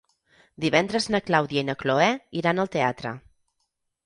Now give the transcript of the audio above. Divendres na Clàudia i na Cloè iran al teatre.